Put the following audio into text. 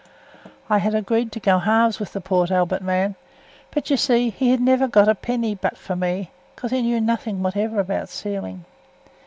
I had agreed to go halves with th' Port Albert man, but, you see, he'd ha' never gotten a penny but for me, because he knew nothing whatever about sealing.